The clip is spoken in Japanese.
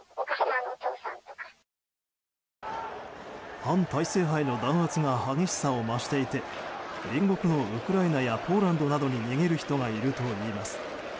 反体制派への弾圧が激しさを増していて隣国のウクライナやポーランドに逃げる人がいるといいます。